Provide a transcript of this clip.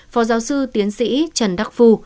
phó giáo sư tiến sĩ trần đắc phu